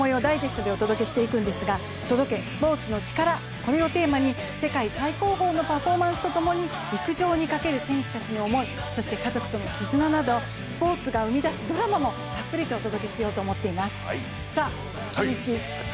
ここからは大会初日のもようをダイジェストでお届けしていくんですが「届け、スポーツのチカラ」をテーマに世界最高峰のパフォーマンスとともに陸上にかける選手たちの思い、家族との絆など、スポーツが生み出すドラマをたっぷりお届けします。